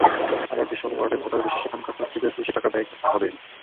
আবার যেসব ওয়ার্ডে ভোটার বেশি, সেখানকার প্রার্থীদের বেশি টাকা ব্যয় করতে হবে।